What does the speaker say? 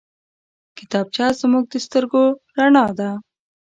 کتابچه زموږ د سترګو رڼا ده